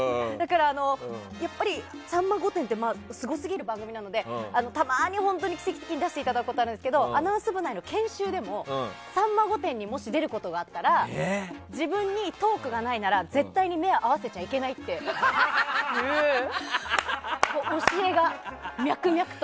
やっぱり「さんま御殿！！」ってすごすぎる番組なのでたまに本当に奇跡的に出させていただくことあるんですけどアナウンス部内の研修でも「さんま御殿！！」にもし出ることがあったら自分にトークがないなら絶対に目を合わせちゃいけないっていう教えが脈々と。